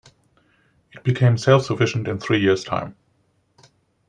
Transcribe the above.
It became self-sufficient in three years' time.